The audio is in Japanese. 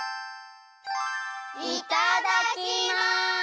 いただきます！